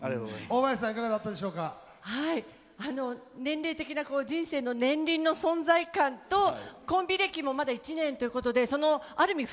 年齢的なこう人生の年輪の存在感とコンビ歴もまだ１年ということである意味